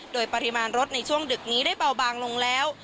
โดยปริมาณรถในช่วงดึกนี้ได้เบาบางลงแล้ว